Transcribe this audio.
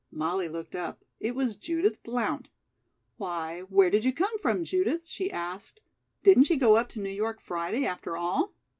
Molly looked up. It was Judith Blount. "Why, where did you come from, Judith?" she asked. "Didn't you go up to New York Friday, after all?"